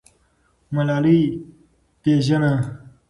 ملالۍ پیژنه.